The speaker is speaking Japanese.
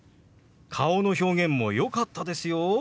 顔の表現もよかったですよ。